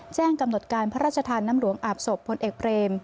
แจ้งกำหนดการพระราชทานน้ำหลวงอาบศพพลเอกเบรม